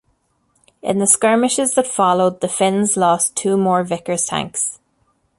In the skirmishes that followed, the Finns lost two more Vickers tanks.